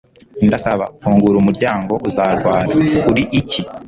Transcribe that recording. ndasaba; fungura umuryango - uzarwara. uri iki